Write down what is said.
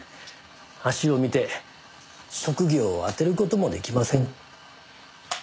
足を見て職業を当てる事も出来ません。